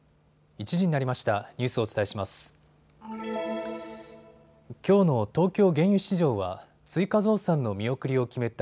１時になりました。